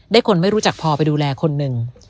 คนไม่รู้จักพอไปดูแลคนหนึ่ง